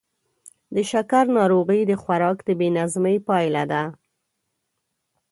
د شکرو ناروغي د خوراک د بې نظمۍ پایله ده.